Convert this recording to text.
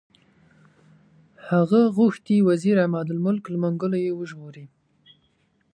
هغه غوښتي وزیر عمادالملک له منګولو یې وژغوري.